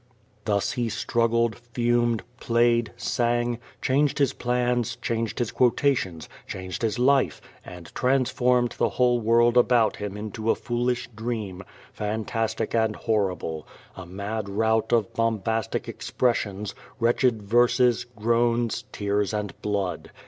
Thus he struggled, fumed, played, sang, changed his plans, changed his quotations, changed his life, and transformed the whole world about him into a foolish dream, fantastic and horrible — ^a mad rout of bombastic expressions, wretched verses, groans, tears and blood.